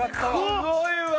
すごいわ！